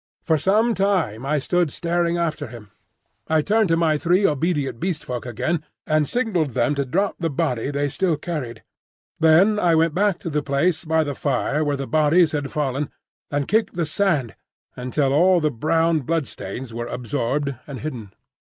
For some time I stood staring after him. I turned to my three obedient Beast Folk again and signalled them to drop the body they still carried. Then I went back to the place by the fire where the bodies had fallen and kicked the sand until all the brown blood stains were absorbed and hidden.